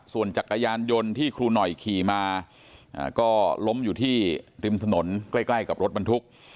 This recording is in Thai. ส่วนจักรยานยนต์ที่ครูหน่อยขี่มาก็ล้มอยู่ที่ริมถนนใกล้กับรถบรรทุก